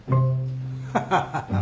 ・ハハハハ。